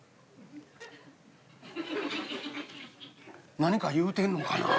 何か言うてんのかな？